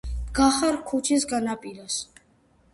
დგახარ ქუჩის განაპირას